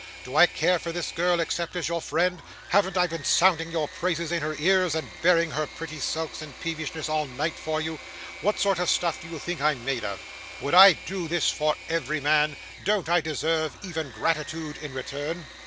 Do I care for this girl, except as your friend? Haven't I been sounding your praises in her ears, and bearing her pretty sulks and peevishness all night for you? What sort of stuff do you think I'm made of? Would I do this for every man? Don't I deserve even gratitude in return?